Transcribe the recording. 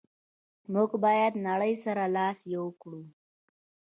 موږ باید نړی سره لاس یو کړو.